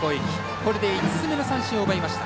これで５つ目の三振を奪いました。